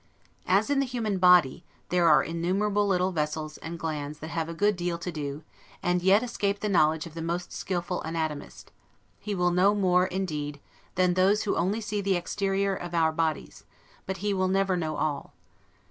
As in the human body, there are innumerable little vessels and glands that have a good deal to do, and yet escape the knowledge of the most skillful anatomist; he will know more, indeed, than those who only see the exterior of our bodies, but he will never know all.